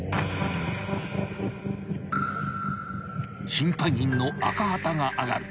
［審判員の赤旗があがる］